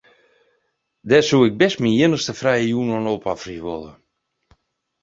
Dêr soe ik bêst myn iennichste frije jûn oan opofferje wolle.